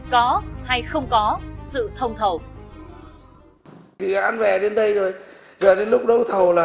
có hay không có sự thông thầu